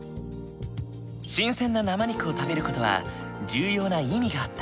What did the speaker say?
新鮮な生肉を食べる事は重要な意味があった。